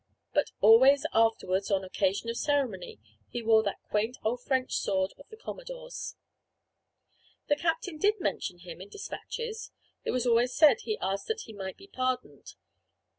But always afterwards on occasions of ceremony, he wore that quaint old French sword of the commodore's. The captain did mention him in the despatches. It was always said he asked that he might be pardoned.